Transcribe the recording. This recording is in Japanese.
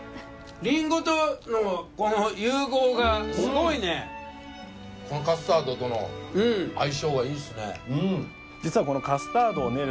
りんごとのこの融合がすごいねこのカスタードとの相性がいいっすね